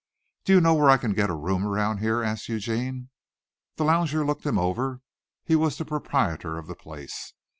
"Do you know where I can get a room around here?" asked Eugene. The lounger looked him over. He was the proprietor of the place.